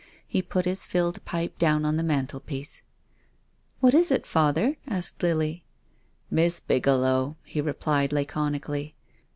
He put his filled pipe down on the man telpiece. " What is it, father ?" asked Lily, " Miss Bigelow," he replied laconically.